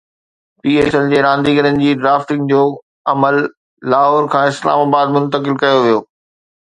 P S L جي رانديگرن جي ڊرافٽنگ جو عمل لاهور کان اسلام آباد منتقل ڪيو ويو